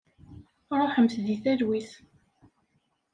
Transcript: Ruḥemt deg talwit.